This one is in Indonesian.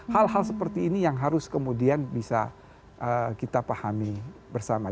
hal hal seperti ini yang harus kemudian bisa kita pahami bersama